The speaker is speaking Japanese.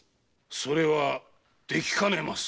それはできかねます。